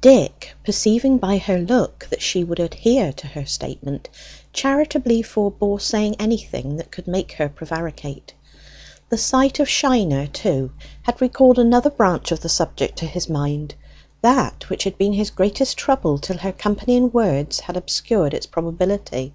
Dick, perceiving by her look that she would adhere to her statement, charitably forbore saying anything that could make her prevaricate. The sight of Shiner, too, had recalled another branch of the subject to his mind; that which had been his greatest trouble till her company and words had obscured its probability.